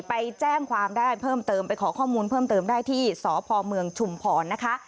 ไปแจ้งความได้เพิ่มเติมไปขอข้อมูลเพิ่มเติมได้ที่สพเมืองชุมพรนะคะ